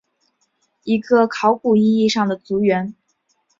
一个是考古意义上的族源。